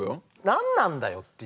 何なんだよっていうね。